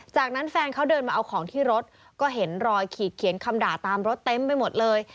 จากนั้นแฟนเขาเดินมาเอาของที่รถก็เห็นรอยขีดเขียนคำด่าตามรถเต็มไปหมดเลย